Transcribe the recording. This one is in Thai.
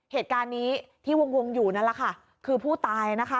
เหตุการณ์นี้ที่วงวงอยู่นั่นแหละค่ะคือผู้ตายนะคะ